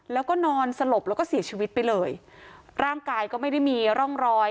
แล้วก็นอนสลบแล้วก็เสียชีวิตไปเลยร่างกายก็ไม่ได้มีร่องรอย